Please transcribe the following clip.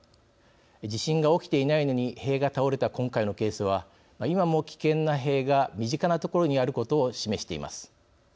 地震が起きていないのに塀が倒れた今回のケースは今も危険な塀が身近な所にあることを示しています。